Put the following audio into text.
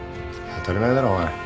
当たり前だろお前。